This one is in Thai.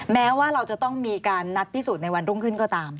แม้ว่าเราจะต้องมีการนัดพิสูจน์ในวันรุ่งขึ้นก็ตาม